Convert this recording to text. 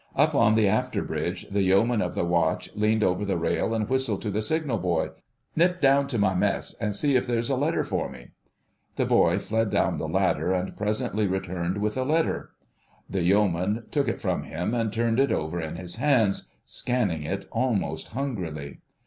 Up on the after bridge the Yeoman of the Watch leaned over the rail and whistled to the signal boy. "Nip down to my mess an' see if there's a letter for me." The boy fled down the ladder and presently returned with a letter. The Yeoman took it from him and turned it over in his hands, scanning it almost hungrily.